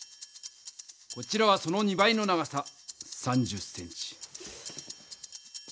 こちらはその２倍の長さ３０ｃｍ。